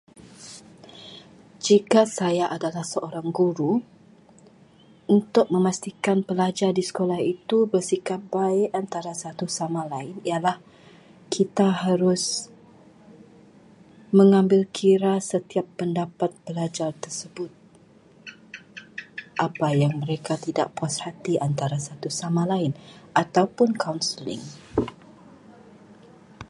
Jika saya adalah seorang guru, untuk memastikan perlajar di sekolah itu bersikap baik antara satu sama lain ialah kita harus mengambil kira setiap pendapat pelajar tersebut. Apa yang mereka tidak puas hati antara sama lain ataupun kaunseling.